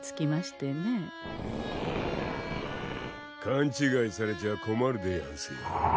かんちがいされちゃ困るでやんすよ。